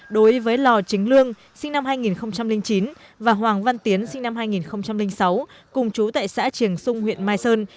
đối với lò chính lương sinh năm hai nghìn chín và hoàng văn tiến sinh năm hai nghìn sáu cùng chú tại xã triềng xung huyện mai sơn